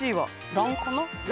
ランかな？